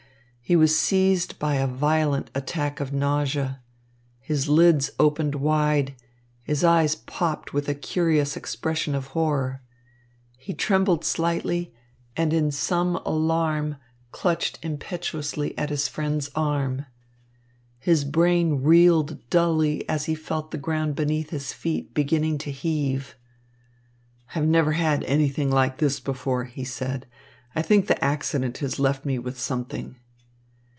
He was seized by a violent attack of nausea. His lids opened wide, his eyes popped with a curious expression of horror. He trembled slightly, and in some alarm clutched impetuously at his friend's arm. His brain reeled dully as he felt the ground beneath his feet beginning to heave. "I have never had anything like this before," he said. "I think the accident has left me with something."